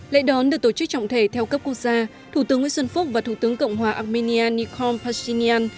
lễ đón được tổ chức trọng thể theo cấp quốc gia thủ tướng nguyễn xuân phúc và thủ tướng cộng hòa armenia nikol pashinyan